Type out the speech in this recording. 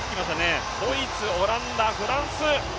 ドイツ、オランダ、フランス。